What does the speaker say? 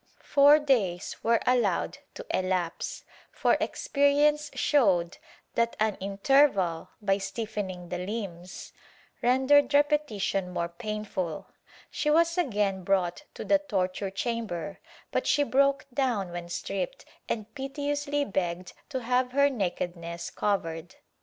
Four days were allowed to elapse, for experience showed that an inter val, by stiffening the limbs, rendered repetition more painful. She was again brought to the torture chamber but she broke down when stripped and piteously begged to have her nakedness covered.